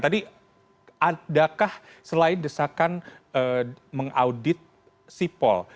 tadi adakah selain desakan mengaudit sipol